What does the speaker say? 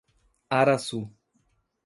Araçu